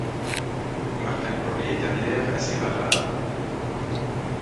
Martin Qwerly est un élève assez bavard.